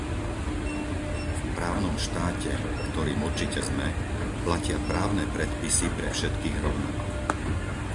V právnom štáte - ktorým určite sme - platia právne predpisy pre všetkých rovnako.